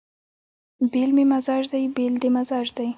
بېل مې مزاج دی بېل دې مزاج دی